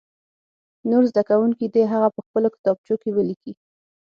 نور زده کوونکي دې هغه په خپلو کتابچو کې ولیکي.